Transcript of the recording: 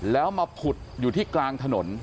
แล้วมาผุดอยู่ที่กลางถนน